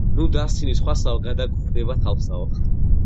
ნუ დასცინი სხვასაო გადაგხვდება თავსაო!